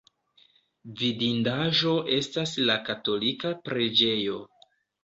Vidindaĵo estas la katolika preĝejo.